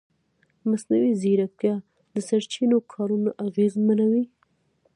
مصنوعي ځیرکتیا د سرچینو کارونه اغېزمنوي.